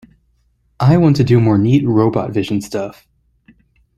I want to do more neat robot vision stuff.